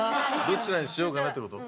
「どちらにしようかな」ってこと？